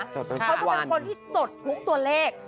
เขาจะเป็นคนที่จดทุกตัวเลข